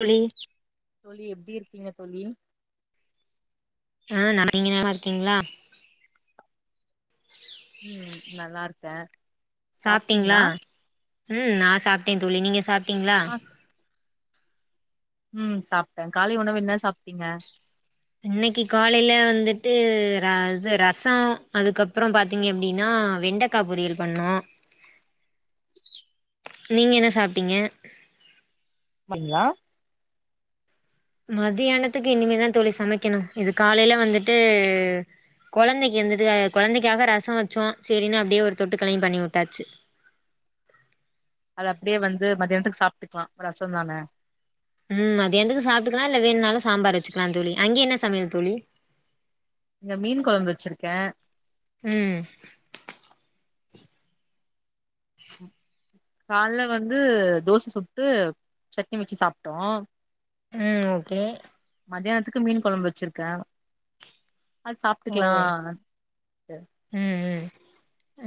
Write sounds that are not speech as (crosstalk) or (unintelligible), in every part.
தோழி தோழி எப்டி இருக்கீங்க தோழி ஆ நாம நீங்க நல்லாருக்கீங்ளா (unintelligible) ம் நல்லாருக்கே சாப்ட்டீங்ளா ம் நா சாப்ட்டே தோழி நீங்க சாப்ட்டீங்ளா ஆ ம் சாப்ட்டே காலை உணவு என்ன சாப்ட்டீங்க இன்னக்கி காலைல வந்துட்டு ர து ரசோ அதுக்கப்புறம் பாத்தீங்க அப்டினா வெண்டக் க்கா பொரியல் பண்ணோ நீங்க என்ன சாப்டிங்க பண்லா மதியானத்துக்கு இனிமேதா தோழி சமைக்கணு இது காலைல வந்துட்டு குழந்தைக்கு வந்துட்டு குழந்தைக்காக ரசோ வெச்சோ சேரின்னு அப்டியே ஒரு தொட்டுக்களையு பண்ணி வுட்டாச்சு அது அப்டியே வந்து மதியானத்துக்கு சாப்டுக்கிலா ரசோ தானே மம் அது எதுனு சாப்டுக்கிலா இல்ல வேணுனாலு சாம்பார் வச்சுக்கிலா தோழி அங்கே என்ன சமையல் தோழி இங்க மீன் கொழம்பு வச்சிருக்கே ம் (unintelligible) கால்ல வந்து தோச சுட்டு சட்னி வச்சு சாப்டோ ம் ஓகே மதியானத்துக்கு மீன் குழம்பு வச்சிருக்கே அது ஓ சாப்டுக்கிலா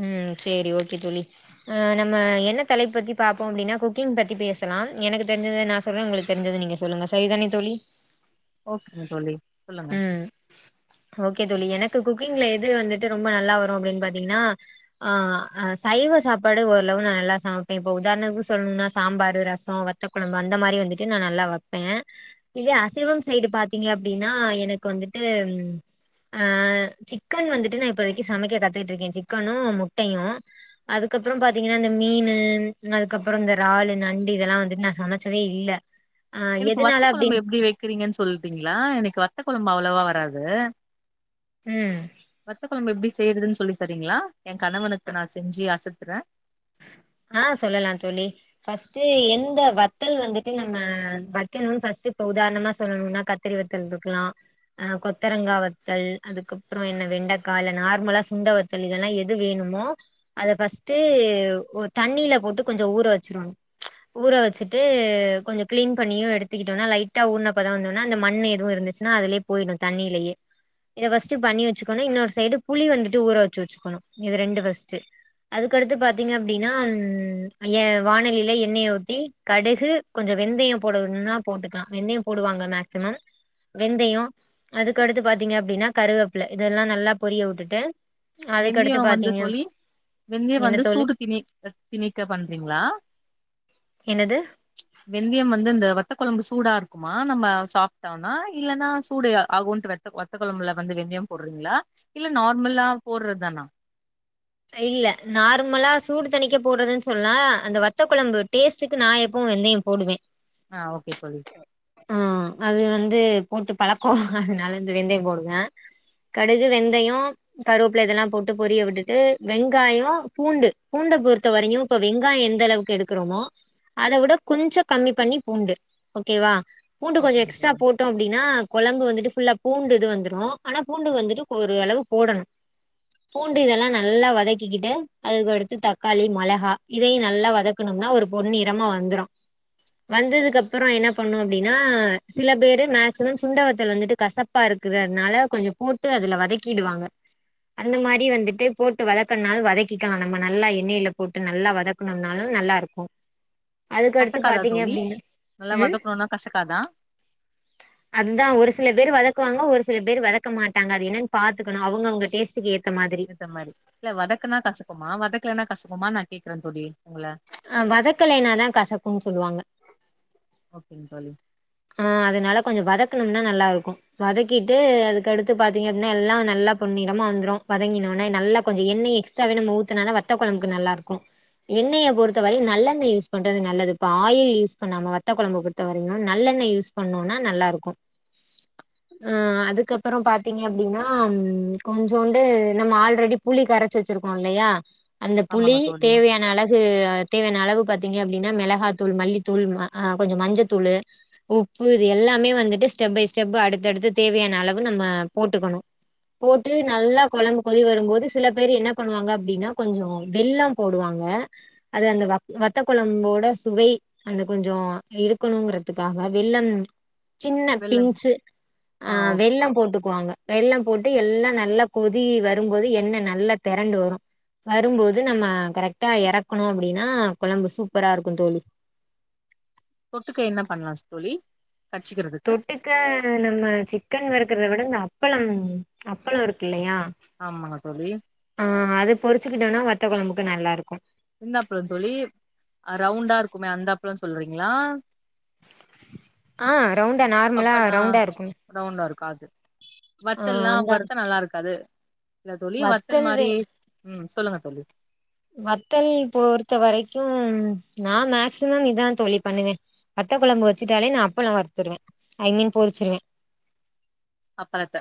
ம் சேரி ஓகே தோழி ஆ நம்ம என்ன தலைப்பு பத்தி பாப்போ அப்டினா குக்கிங் பத்தி பேசலா எனக்கு தெரிஞ்சது நா சொ சொல்ற உங்களுக்கு தெரிஞ்சது நீங்க சொல்லுங்க சரிதானே தோழி ஓகேங்க தோழி சொல்லுங்க ம் ஓகே தோழி எனக்கு குக்கிங்ல எது வந்துட்டு ரொம்ப நல்லா வரு அப்டின் பாத்தீங்னா ஆ சைவ சாப்பாடு ஓரளவு நா நல்லா சமைப்பே இப்ப உதாரணத்துக்கு சொல்லணுனா சாம்பாரு ரசோ வத்த குழம்பு அந்த மாரி வந்துட்டு நா நல்லா வெப்பே இதே அசைவ சைடு பாத்தீங்க அப்டின் னா எனக்கு வந்துட்டு ஆ சிக்கன் வந்துட்டு நா இப்போதைக்கு சமைக்க கத்துக்கிட்ருக்கே சிக்கனு முட்டையு அதுக்கப்புறோ பாத்தீங்கன்னா இந்த மீனு அதுக்கப்றோ இந்த றாலு நண்டு இதெல்லா வந்துட்டு நா சமைச்சதே இல்ல அ எதுனால அப்டி கிறிங்கன் சொல்லிட்டீங்ளா எனக்கு வத்த குழம்பு அவ்வளவா வராது ம் வத்த குழம்பு எப்டி செய்றதுனு சொல்லிதரிங்ளா எ கணவனுக்கு நா செஞ்சி அசத்துறே ஆ சொல்லலா தோழி ஃபர்ஸ்டு எந்த வத்தல் வந்துட்டு நம்ம வக்கணுன் ஃபர்ஸ்டு இப்ப உதாரணமா சொல்லணுனா கத் த்ரி வத்தல் ருக்கிலா ஆ கொத்தரங்கா வத்தல் அதுக்கப்புறோ என்ன வெண்டக்கா இல்ல நார்மலா சுண்ட வத் த்தல் இதேலா எது வேணுமோ அத ஃபர்ஸ்ட்டு ஒரு தண்ணில போட்டு கொஞ்சோ ஊற வச்சுருவாங்க ஊற வச்சுட்டு கொஞ்சோ கிளீன் பண்ணியு எடுத்துகிட்டோனா லைட்டா ஊர்னப்பதோ வந்தோனா அந்த மண் எதுவு இருந் ச்சுனா அதுலே போய்டு தண்ணிலயே இத ஃபர்ஸ்ட் பண்ணி வச்சுக்கணு இன்னொரு சைடு புளி வந்துட்டு ஊற வச்சு வச்சுக்கணு இது ரெண்டு ஃபர்ஸ்ட்டு அதுக்கடுத்து பாத் திங்க அப்டின்னா ம் வாணலியில எண்ணெய ஊத்தி கடுகு கொஞ்சோ வெந்தயோ போடன்னா போட்டுக்கலா வெந்தயோ போடுவாங்க மேக்சிமம் வெந்தயோ அதுக்கடுத்து பாத்தீங்க அப்டின்னா கருவேப்பில இதெல்லா நல்லா பொரிய உட்டுட்டு வெந்தயோ வந்து தோழி வெந்தயோ என்ன வந்து தோழி சூடு திணி திணிக்க பண்றீங்களா என்னது வெந்தியம் வந்து இந்த வத்த கொழம்பு சூடா இருக்குமா நம்ம சாப்ட்டோனா இல்லன்னா சூடு ஆகுன்டு வத்த வத்த கொழம்புல வந்து வெந்தயோ போட்றீங்களா இல்ல நார்மல்லா போட்றது தானா இல்ல நார்மலா சூடு தணிக்க போட்றதுன்னு சொல்லா அந்த வத்த கொழம்பு டேஸ்ட்டுக்கு நா எப்பவு வெந்தயோ போடுவே ஆ ஓகே தோழி ஆ அது வந்து போட்டு பழக்கோ அதுனால வந்து வெந்தயோ போடுவ கடுகு வெந்தயோ கருவேப்புல இதெல்லா போட்டு பொரிய விட்டுட்டு வெங்காயோ பூண்டு பூண்ட பொறுத்த வரையு இப்ப வெங்காயோ எந்த அளவுக்கு எடுக்கறோமோ அத விட கொஞ்சோ கம்மி பண்ணி பூண்டு ஓகேவா பூண்டு கொஞ்ச ஓகேங்க எக்ஸ்ட்ரா தோழி போட் ட்டோ அப்டின்னா கொழம்பு வந்துட்டு ஃபுல்லா பூண்டு இது வந்துரு ஆனா பூண்டு வந்துட்டு ஒரு அளவு போடணு பூண்டு இதல்லா நல்லா வதக்கிக்கிட்டு அதுக்கு அடுத்து தக்காளி மொளகா இதையு நல்லா வதக்கணுனா ஒரு பொன்னிறம வந்துரு வந்ததுக்கு அப்புறோ என்ன பண்ணு அப்டின்னா சில பேரு மேக்சிமம் சுண்டவத்தல் வந்துட்டு கசப்ப ப்பா இருக்குது அதுனால கொஞ்ச போட்டு அதுல வதக்கிடுவாங்க அந்த மாரி வந்துட்டு போட்டு வதக்கன்னாலு வதக்கிக்கலா நம்ம நல்லா எண்ணெயில போட்டு நல்லா வதக்கணுனாலு நல்லா இருக்கு அதுக்கடுத்து கசக்காதா பாத்தீங்க தோழி அப்டின்னா நல்லா ம் வதக்கணுனா கசக்காதா அதுதா ஒரு சில பேர் வதக்குவாங்க ஒரு சில பேர் வதக்க மாட்டாங்க அது என்னன்னு பாத்துக்கணு அவங்க அவங்க டேஸ்டுக்கு ஏத்த மாதிரி இந்த மாரி இல்ல வதக்குனா கசக்குமா வதக்கலன்னா கசக்குமா நா கேக்குறே தோழி உங்கள ஆ வதக்கலைனாதா கசக்குன்னு சொல்லுவாங்க ஓகேங் தோழி ஆ அதனால கொஞ்ச வதக்கணும்னா நல்லா இருக்கு வதக்கிட்டு அதுக்கடுத்து பாத்தீங்க அப்டின்னா எல்லா நல்லா பொன்னிறமா வந்துரு வதங்கினோனே நல்லா கொஞ்ச எண்ணெய எக்ஸ் ச்சாவே நம்ம ஊத்துனாதா வத்த கொழம்புக்கு நல்லா இருக்கு எண்ணெய பொறுத்த வரையு நல்லெண்ண யூஸ் பண்றது நல்லது இப்ப ஆயில் யூஸ் பண்ணாம வத்த கொழம்பு பொறுத்த வரையு நல்லெண்ண யூஸ் பண்ணோனா நல்லா இருக்கு ஆ அதுக்கப்பறோ பாத்தீங்க அப்டின்னா கொஞ்சோண்டு நம்ம ஆல்ரெடி புளி கரைச்சி வச்சிருக்கோ இல்லையா அந்த புளி ஆமாங்க தோழி தேவையான அளவு தேவையான அளவு பாத்தீங்க அப்டின்னா மெளகாத்தூள் மல்லித்தூள் கொஞ்ச மஞ்சத்தூளு உப்பு இது எல்லாமே வந்துட்டு ஸ்டெப் பை ஸ்டெப்பு அடுத்தடுத்து தேவையான அளவு நம்ம போட்டுக்கணு போட்டு நல்லா கொழம்பு கொதி வரும் போது சில பேர் என்ன பண்ணுவாங்க அப்டின்னா கொஞ்சோ வெல்லம் போடுவாங்க அது அந்த வ வத்த கொழம்போட சுவை அந்த கொஞ்சோ இருக்குணுங்குறது த்துக்காக வெல்லம் சின்ன வெல்லம் பிஞ்ச்சு ஆ வெல்லம் போட்டுக்குவாங்க வெல்லம் போட்டு எல்லா நல்லா கொதி வரும்போது எண்ணெ நல்லா தெரண்டு வரு வரும்போது நம்ம கரெக்டா எறக்கணும் அப்டின்னா கொழம்பு சூப்பரா இருக்கு தோழி தொட்டுக்க என்ன பண்லா தோழி கட்ச்சிக்கிறதுக்கு தொட்டுக்க நம்ம சிக்கன் வறுக்குறத விட இந்த அப்பளம் அப்பளோ இருக்கு இல்லையா ஆமாங்க தோழி ஆ அது பொறுச்சுக்கிட்டோன்னா வத்த கொழம்புக்கு நல்லா இருக்கு எந்த அப்ளோ தோழி அ ரவுண்டா இருக்குமே அந்த அப்ளோ சொல்றீங்களா ஆ ரவுண்டா நார்மலா பப்பட் ஆ ரௌண்டா இருக்கும் ரவுண்டா இருக்கு அது வத்தல்லா அந்த வறுத்தா நல்லா இருக்காது இல்ல தோழி வத்தல் மாரி ம் சொல்லுங்க தோழி வத்தல் பொறுத்த வரைக்கும் நா மேக்சிமம் இதா தோழி பண்ணுவே வத்த கொழம்பு வச்சுட்டாலே நா அப்பளலோ வறுத்துருவ ஐ மீன் பொரிச்சிருவ அப்பளத்த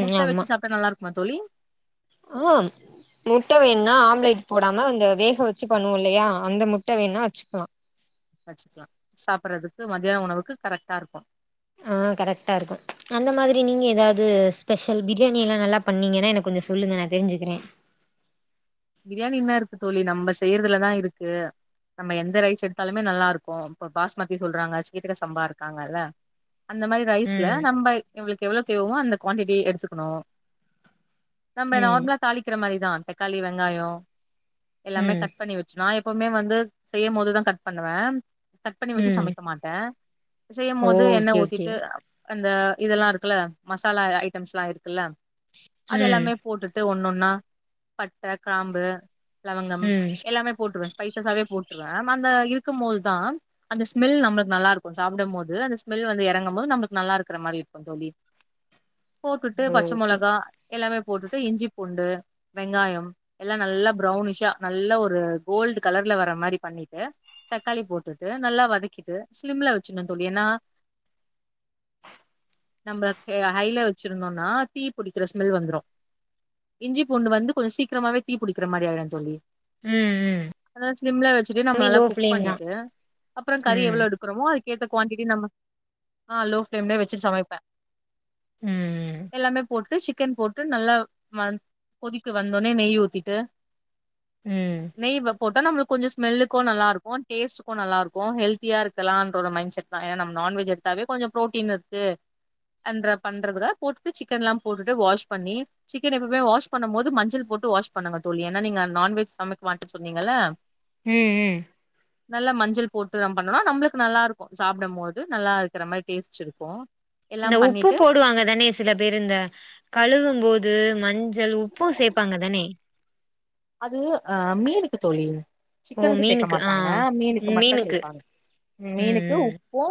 முட்ட வச்சு சாப்ட்டா நல்லா இருக்குமா தோழி ஆஹ முட்ட வேணுனா ஆம்லெட் போடாம அந்த வேக வச்சு பண்ணுவோல்லையா அந்த முட்ட வேணா வச்சுக்கலா வச்சுக்கலா சாப்றதுக்கு மதியான உணவுக்கு கரெக்டா இருக்கு ஆ கரெக்டா இருக்கு அந்த மாதிரி நீங்க எதாவது ஸ்பெஷல் பிரியாணியெல்லா நல்லா பண்ணீங்கென்னா எனக் கொஞ்ச சொல்லுங்க நா தெரிஞ்சுக்கிறே பிரியாணின்ன என்ன இருக்கு தோழி நம்ம செய்றதுலதா இருக்கு நம்ம எந்த ரைஸ் எடுத்தாலுமே நல்லா இருக்கு இப்ப பாஸ்மதி சொல்றாங்க சீக்கிர சம்பா இருக்காங்கல்ல அந்த மாரி ரைஸ்ல ம் நம்ப இவளுக்கு எவ்ளோ தேவமோ அந்த குவான்டிட்டி எடுத்துக்கணு நம்ம ம் நார்மலா தாளிக்கிற மாரிதா தக்காளி வெங்காயோ எல்லாமே ம் கட் ட் பண்ணி வச்சு நா எப்பவுமே வந்து செய்யும் போதுதா கட் பண்ணுவே கட் பண்ணி வச்சு ம் சமைக்க மாட் ட்ட செய்யும் போது எண்ணெ ஓகே ஓகே ஊத்திட்டு அந்த இதெல்லா இருக்குல்ல மசாலா ஐட்டம்ஸ்லா இருக்குல்ல அது ம் எல்லாமே போட்டுட் ட்டு ஒன்னொன்னா பட்ட கிராம்பு லவங்கம் ம் எல்லாமே போட்ருவே ஸ்பைசாசாவே போட்ருவே அந்த இருக்கும்போது தான் அந்த ஸ்மெல் நம்மளுக்கு நல்லா இருக்கு சாப்டும் போது அந்த ஸ்மெல் வந்து எறங்கும் போது நம்மளுக்கு நல்லா இருக்குற மாரி இருக்குந் தோழி போட்டுட்டு பச்ச ஓகே மொளகா எல்லாமே போட்டுட்டு இஞ்சி பூண்டு வெங்காயம் எல்லா நல்லா ப்ரௌனிஷா நல்லா ஒரு கோல்டு கலர்ல வர மாரி பண்ணிட்டு தக்காளி போட்டுட்டு நல்லா வதக்கிட்டு சிலிம்ல வச்சுணுன்னு தோழி ஏன்னா நம்ப ஹைல வச்சுருந்தோன்னா தீ புடிக்கிற ஸ்மெல் வந்துரு இஞ்சி பூண்டு வந்து கொஞ்சோ சீக்கிரமாவே தீ புடிக்கிற மாரி ஆகிடு தோழி ம் ம் அத ஸ்லிம்ல வச்சுட்டு நம்ம எல்லாமே நல்லா லோ குக் ஃப்ளேம் தா பண்ணிட்டு அப்றோ கறி ம் எவ்ளோ எடுக் க்குறோமோ அதுக்கேத்த குவாண்டி நம்ம அ லோ பிளம்லே வச்சுட் சமைப்பே ம் ம் எல்லாமே போட்டு சிக்கன் போட்டு நல்லா வந் கொதிக்க வந் தோனே நெய் ஊத்திட்டு ம் நெய் வ போட்டா நம்மளுக்கு கொஞ்ச ஸ்மெலுக்கு நல்லா இருக்கு டேஸ்டுக்கு நல்லா இருக்கு ஹெல்தியா இருக்கலான்ற ஒரு மைண்ட் செட் னா ஏனா நம்ம நான்வெஜ் எடுத்தாவே கொஞ்சோ ப்ரோட்டீன் இருக்கு அன்ற பண்றது போட்டுட்டு சிக்கன் எல்லா போட்டுட்டு வாஷ் பண்ணி சிக்கன் எப்பவுமே வாஷ் பண்ணு போது மஞ்சள் போட்டு வாஷ் பண்ணுங்க தோழி ஏன்னா நீங்க நான்வெஜ் சமைக்க மாட்ட சொன்னீங்கள்ள ம் ம் நல்ல மஞ்சள் போட்டுதா பண்ணலா நம்மளுக்கு நல்லா இருக்கு சாப்டு போது நல்லா இருக்குற மாரி டேஸ்ட் இருக்கு எல்லா இந்த உப்பு பண்ணிட்டு போடுவாங்க தானே சில பேரு இந்த கழுவு போது மஞ்சள் உப்பு சேப் ப்பாங்க தானே அது அ மீனுக்கு தோழி ஓ சிக்கனுக்கு சேக்க மீனுக்கு ஆ மாட்டாங்க மீனுக்கு மட்டு சேப்பாங்க மீனுக்கு ம் ம் உப்பு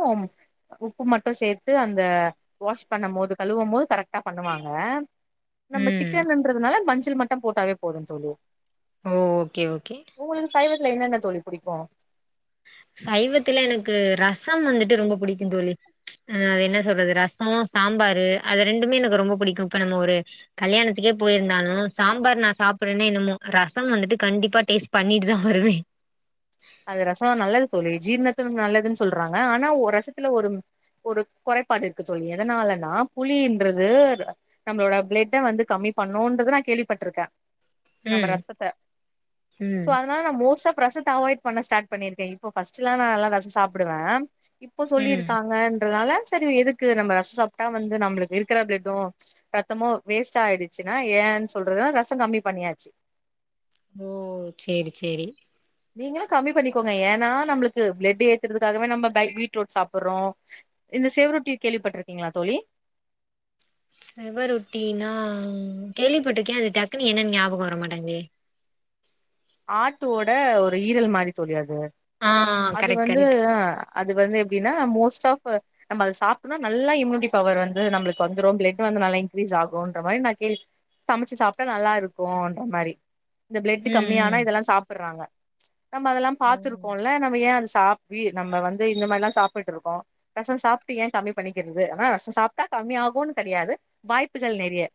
உப்பு மட்டு சேத்து அந்த வாஷ் பண்ண போது கழுவு போது கரெக்டா பண்ணுவாங்க நம்ம ம் சிக்கன்றதுனால மஞ்சள் மட்டு போட்டாவே போது தோழி ஓ ஒகே ஒகே உங்களுக்கு சைவத்துல என்னென்ன தோழி புடிக்கு சைவத்துல எனக்கு ரசம் வந்துட்டு ரொம்ப புடிக்கு தோழி அ என்ன சொல்றது ரசோ சாம்பாரு அது ரெண்டுமே எனக்கு ரொம்ப புடிக்கு இப்ப நம்ம ஒரு கல்யாணத்துக்கே போயிருந்தாலு சாம்பார் நா சாப்றன்னே என்னமோ ரசம் வந்துட்டு கண்டிப்பா டேஸ்ட் பண்ணிட்டு தா வருவே அது ரசோ நல்லது தோழி ஜீர்ணத்த நல்லதுன்னு சொல்றாங்க ஆனா ஒரு ரசத்துல ஒரு ஒரு குறைபாடு இருக்கு தோழி எதனாலன்னா புளின்றது நம்மளோட பிளட்ட வந்து கம்மி பண்ணுன்றத நா கேள்விப்பட்ருக்க நம்ம ம் ரத்தத்த சோ ம் அதுனால நா மோஸ்ட் ஆஃப் ரசத்த அவாய்ட் பண்ண ஸ்டார்ட் பண்ணியிருக்கே இப்ப பஸ்ட்டுல்லா நா நல்லா ரசோ சாப்புடுவே இப் இப்போ ம் சொல்லியிருக்காங்கன்றதால சரி எதுக்கு நம்ம ரசோ சாப்ட்டா வந்து நம்பளுக்கு இருக்குற பிளட்டு ரத்தமு வேஸ்ட் ஆயிடுச்சுன்னா ஏன் சொல்றது ரச கம்மி பண்ணியாச்சு ஓ செரி செரி நீங்களு கம்மி பண்ணிக்கோங்க ஏன்னா நம்மளுக்கு பிளெட் ஏத்துறதுக்காகவே நம்ம பீட்ரூட் சாப்புட்றோ இந்த செவ்ரொட்டி கேள்விப்பட்ருக்கீங்களா தோழி செவரொட்டினா கேள்விப்பட்டிருக்கே அது டக்குன் என்னன் ஞாபக வரமாட்டேங்குதே ஆட்டோட ஒரு ஈரல் மாரி தோழி அது ஆ அது கரெக்ட் வந்து கரெக்ட் அது வந்து எப்டின்னா மோஸ்ட் ஆஃப் நம்ம அதை சாப்ட்டோனா நல்லா இம்யூனிட்டி பவர் வந்து நம்மளுக் வந்ரு பிளட் வந்து நல்லா இன்க்ரீஸ் ஆகுன்ற மாரி நா கேள்வி சமச்சி சாப்ட்டா நல்லாருக்குன்ற மாரி இந்த பிளட்டு கம் ம் ம் எல்லா சாப்டுறாங்க நம்ம அதெல்லா ஓ பாத்திருக்கோல்ல நம்ம ஏன் அத சாப் வி நம்ம வந்து இந்த மாரிலா சாப்ட்டு இருக்கோ ரச சாப்ட்டு ஏ கம்மி பண்ணிக்கிறது ரச சாப்ட்டா கம்மி ஆகுன் கெடையாது வாய்ப்புகள் நெறய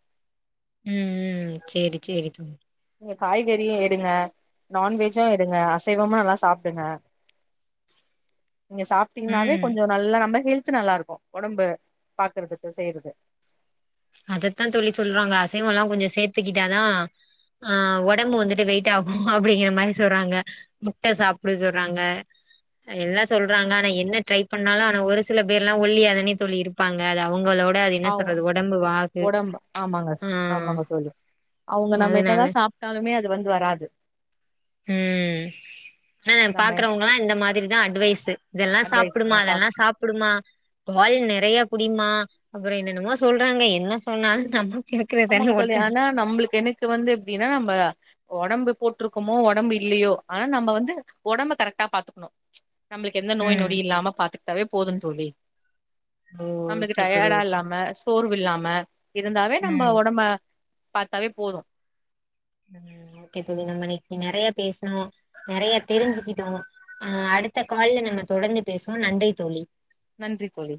ம் ம் செரி செ ரி தோழி நீங்க காய்கறியு எடுங்க நான்வெஜ்ஜு எடுங்க அசைவமு நல்லா சாப்டுங்க (inaudible) நீங்க சாப்ட்டீங்கன்னாவே ம் கொஞ்சோ நல்லா நம்ம ஹெல்த் நல்லாருக்கு உடம்பு பாக்குறதுக்கு செய்றது அதத்தா தோழி சொல்றாங்க அசைவல்லா கொஞ்சோ சேர்த்துக்கிட்டாதா அ உடம்பு வந்துட்டு வெயிட் ஆகு அப்டிங்கிற மாரி சொல்றாங்க முட்ட சாப்ட சொல்றாங்க எல்லா சொல்றாங்க ஆனா என்ன ட்ரை பண்ணாலு ஆனா ஒரு சில பேர்ல்லா ஒல்லியா தான தோழி இருப்பாங்க அது அவங்களோட த அது என்ன ஆமா சொல்றது ஓட் ஒடம்பு ஆமாங்கஸ் ஆமாங்க தோழி அவங்க நம்ம அதனால என்னதா சாப் சாப்டாலுமே அது வந்து வராது ம் ஆ நம்ம பாக்குறவங்கல்லா இந்த மாதிரிதா அட்வைஸ்சு இதெல்லா அட்வைஸ் சாப்டுமா ஆ அதெல்லா சாப் குடுமா வால் நெறயா குடிமா அப்றோ என்னென்னமோ சொல்றாங்க என்ன சொன்னால் நம்ம ஆமாங்க தோழி ஆனா நம்ளுக் எனக்கு வந்து எப்டின்னா நம்ம ஒடம்பு போட்டிருக்கோமோ ஒடம்பு இல்லியோ ஆனா நம்ப வந்து ஒடம்ப கரக்ட்டா பாத்துக்ணு நம்ளுக் எந்த நோய் ம் நொடி இல்லாம பாத்துக்ட்டாவே போதுன் தோழி ஓ நமக்கு ஓகே தோழி டயாடா ஓகே இல்லாம சோர்வில்லாம இருந்தாவே கம்ப ம் ஒடம்ப பாத்தாவே போது ம் ஓகே தோழி நம் இன்னிக் நறையா பேஸ்னோ நறையா தெரிஞ்சிக்கிட்டோ ஆஹ அடுத்த கால்ல நம்ம தொடர்ந்து பேசோம் நன்றி தோழி நன்றி தோழி